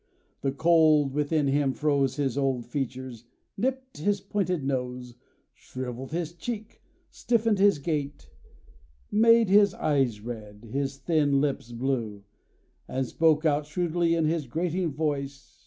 The cold within him froze his old features, nipped his pointed nose, shriveled his cheek, stiffened his gait; made his eyes red, his thin lips blue; and spoke out shrewdly in his grating voice.